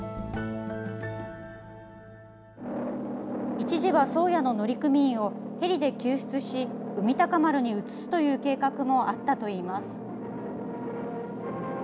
一時は「宗谷」の乗組員をヘリで救出し「海鷹丸」に移すという計画もあったといいます。